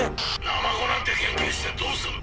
「ナマコなんて研究してどうする。